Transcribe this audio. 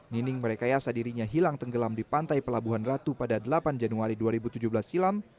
nining merekayasa dirinya hilang tenggelam di pantai pelabuhan ratu pada delapan januari dua ribu tujuh belas silam